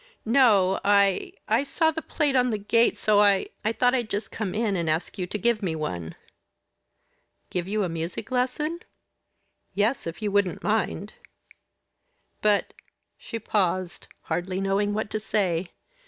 "No, I I saw the plate on the gate, so I I thought I'd just come in and ask you to give me one." "Give you a music lesson?" "Yes, if you wouldn't mind." "But" she paused, hardly knowing what to say.